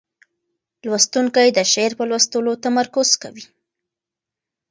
لوستونکی د شعر په لوستلو تمرکز کوي.